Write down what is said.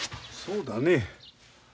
そうだねえ。